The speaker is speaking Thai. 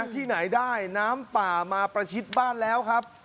ที่ไหนได้น้ำป่ามาประชิดบ้านแล้วครับ